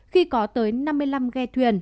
khi có tới năm mươi năm ghe thuyền